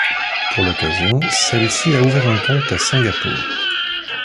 Pour l'occasion, celle-ci a ouvert un compte à Singapour.